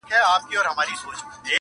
o خائن، خائف وي!